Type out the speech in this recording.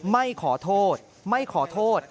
ไม่ขอโทษไม่ขอโทษ